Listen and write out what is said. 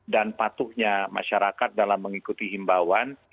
dan patuhnya masyarakat dalam mengikuti imbawan